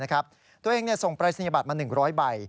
ตัวเองส่งปรายศนียบัตรมา๑๐๐ใบ